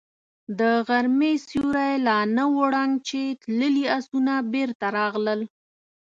د غرمې سيوری لا نه و ړنګ چې تللي آسونه بېرته راغلل.